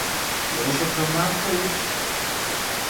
Ğuş'ıpe maxue vuxhu!